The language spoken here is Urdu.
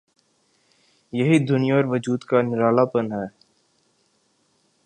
یہی دنیا اور وجود کا نرالا پن ہے۔